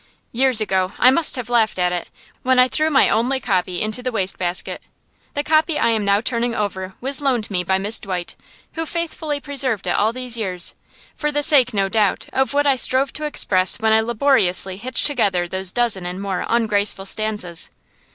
Years ago I must have laughed at it, when I threw my only copy into the wastebasket. The copy I am now turning over was loaned me by Miss Dwight, who faithfully preserved it all these years, for the sake, no doubt, of what I strove to express when I laboriously hitched together those dozen and more ungraceful stanzas.